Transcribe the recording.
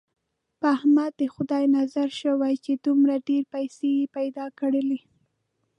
په احمد د خدای نظر شوی، چې دومره ډېرې پیسې یې پیدا کړلې.